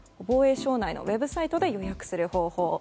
防衛省内のウェブサイトで予約する方法。